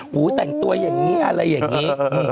หูแต่งตัวอย่างนี้อะไรอย่างนี้